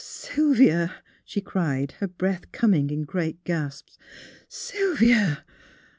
'' Sylvia! " she cried, her breath coming in great gasps. " Sylvia!